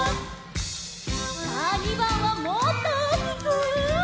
さあ２ばんはもっとおおきく！